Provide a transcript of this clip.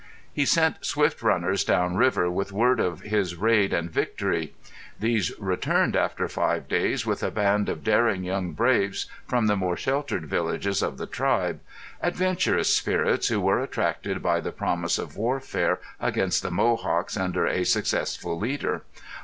He sent swift runners down river with word of his raid and victory. These returned after five days with a band of daring young braves from the more sheltered villages of the tribe—adventurous spirits who were attracted by the promise of warfare against the Mohawks under a successful leader.